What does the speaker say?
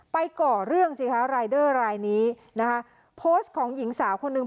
ก่อเรื่องสิคะรายเดอร์รายนี้นะคะโพสต์ของหญิงสาวคนหนึ่ง